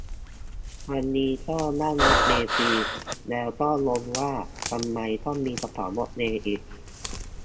วันนี้ก็นั่งรถเมล์ฟรี แล้วก็งงว่าทำไมต้องมีกระเป๋ารถเมล์อีก